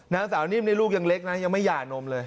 นางสาวนิ่มนี่ลูกยังเล็กนะยังไม่หย่านมเลย